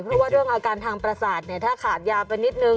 เพราะว่าเรื่องอาการทางประสาทถ้าขาดยาไปนิดนึง